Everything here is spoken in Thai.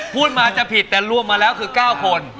พูดมาจะผิดแต่รวมมาแล้วคือ๙คน